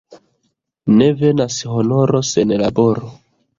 Ne venas honoro sen laboro.